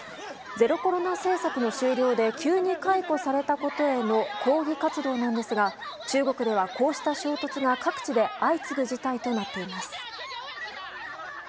ゼロコロナ政策の終了で急に解雇されたことへの抗議活動なんですが中国では、こうした衝突が各地で相次ぐ事態となっています。